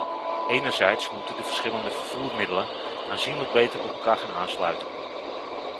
Enerzijds moeten de verschillende vervoermiddelen aanzienlijk beter op elkaar gaan aansluiten.